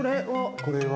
これは。